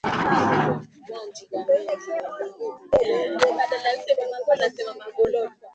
ishirini Pia mkoa una shule za msingi zipatazo mia tisa hamsini Idadi hii ya